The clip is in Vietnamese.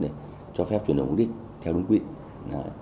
để cho phép chuyển động mục đích theo đúng quyền